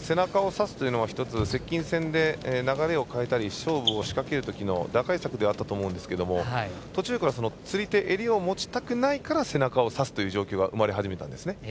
背中をさすというのも１つ接近戦で流れを変えたり勝負を仕掛けるときの打開策ではあったと思うんですけど途中から釣り手襟を持ちたくないから背中をさすという状況が生まれ始めたんですね。